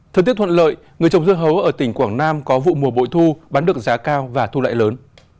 thời tiết thuận lợi người trồng dưa hấu ở tỉnh quảng nam có vụ mùa bội thu bán được giá cao và thu lại lớn